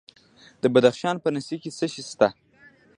د بدخشان په نسي کې څه شی شته؟